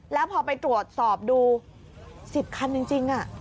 แล้วพอไปตรวจสอบดู๑๐คันจริง